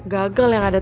gagal yang ada di sini